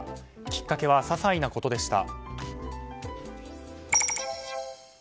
きっかけはささいなことでした。